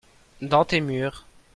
dans tes murs.